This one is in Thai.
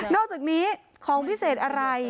อกจากนี้ของพิเศษอะไร